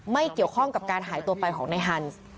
ไม่เกี่ยวข้องกับการหายตัวไปของนายฮันส์